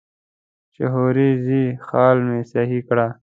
چې هورې ځې خال مې سهي کړه.